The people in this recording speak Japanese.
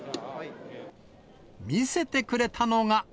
見せてくれたのが。